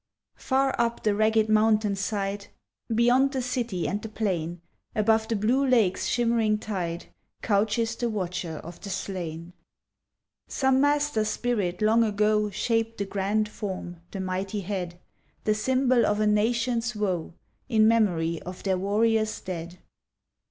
j^AK up the ragged mountain side, JJ Beyond the city and the plain, Above the blue lake's shimmering tide, Couches the watcher of the slain. Some master spirit long ago Shaped the grand form, the mighty head, The symbol of a nation's Avoe In memory of their warrior's dead.